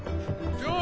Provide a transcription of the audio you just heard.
ジョージ！